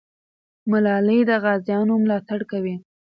ملالۍ د غازیانو ملاتړ کوي.